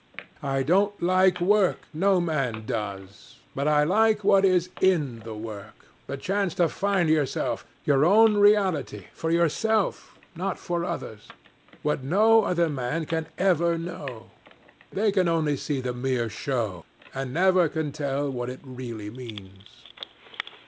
I don't like work no man does but I like what is in the work, the chance to find yourself. Your own reality for yourself, not for others what no other man can ever know. They can only see the mere show, and never can tell what it really means.